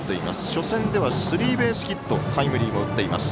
初戦ではスリーベースヒットタイムリーを打っています。